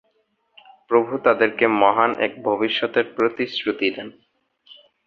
প্রভু তাদেরকে মহান এক ভবিষ্যতের প্রতিশ্রুতি দেন।